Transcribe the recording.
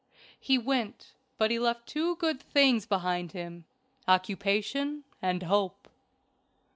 He went, but he left two good things behind him occupation and hope.